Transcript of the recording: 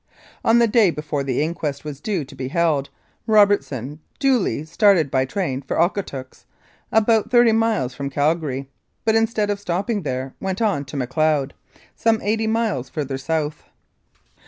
On the day before the inquest was due to be held, Robertson duly started by train for Okotoks (about thirty miles from Calgary), but instead of stopping there went on to Macleod, some eighty miles farther south.